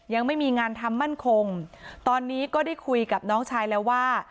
ยังไม่มีงานทำมั่นคงตอนนี้ก็ได้คุยกับน้องชายแล้วว่า